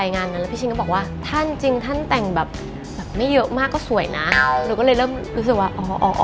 แล้วก็พี่ชินชินวุฒิเคยบอก